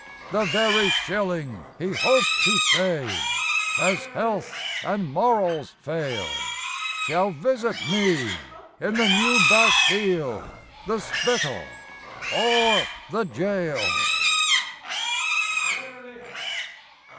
The very shilling he hoped to save, As health and morals fail, Shall visit me in the new Bastille, The Spital, or the Gaol!